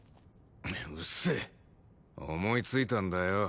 うっせえ思いついたんだよ。